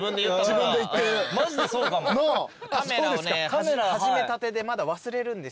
カメラをね始めたてでまだ忘れるんですよ。